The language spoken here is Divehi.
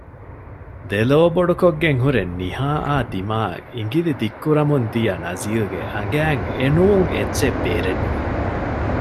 ދެލޯ ބޮޑުކޮށްގެން ހުރެ ނިހާއާ ދިމާއަށް އިނގިލި ދިއްކުރަމުން ދިޔަ ނަޒީލްގެ އަނގައިން އެނޫން އެއްޗެއް ބޭރެއް ނުވެ